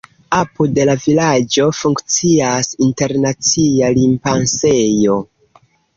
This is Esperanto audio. Apud la vilaĝo funkcias internacia limpasejo.